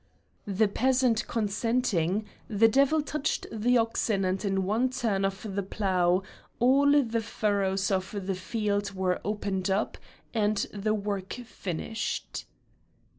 The peasant consenting, the devil touched the oxen and in one turn of the plough all the furrows of the field were opened up and the work finished.